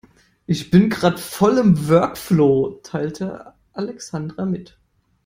Ich bin gerade voll im Workflow, teilte Alexandra mit.